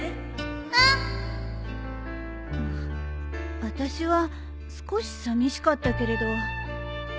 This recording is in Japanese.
うん！あたしは少しさみしかったけれど。